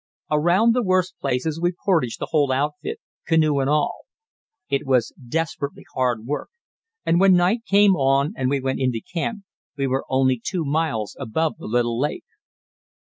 Around the worst places we portaged the whole outfit, canoe and all. It was desperately hard work, and when night came on and we went into camp, we were only two miles above the little lake.